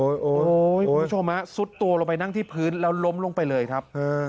คุณผู้ชมฮะซุดตัวลงไปนั่งที่พื้นแล้วล้มลงไปเลยครับ